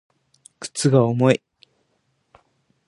鞄が重い